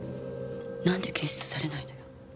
なんで検出されないのよ。